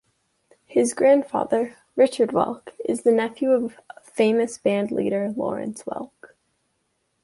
His grandfather, Richard Welk, is the nephew of famous band leader Lawrence Welk.